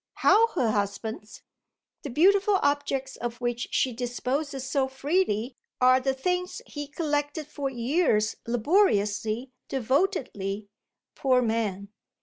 "How her husband's?" "The beautiful objects of which she disposes so freely are the things he collected for years laboriously, devotedly, poor man!"